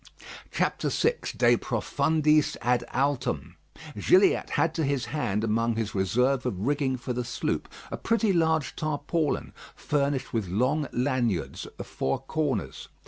VI DE PROFUNDIS AD ALTUM Gilliatt had to his hand among his reserve of rigging for the sloop a pretty large tarpaulin, furnished with long laniards at the four corners.